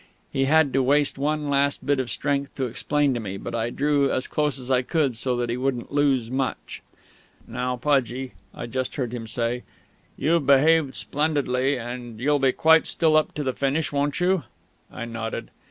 He had to waste one last bit of strength to explain to me, but I drew as close as I could, so that he wouldn't lose much. "Now, Pudgie," I just heard him say, "you've behaved splendidly, and you'll be quite still up to the finish, won't you?" I nodded.